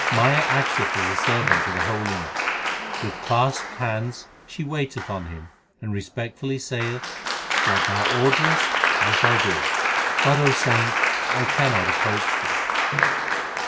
Maya acteth as a servant to the holy man. With clasped hands she waiteth on him and respectfully saith, What thou orderest I shall do ; But, O saint, I cannot approach thee.